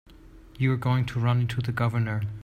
You're going to run into the Governor.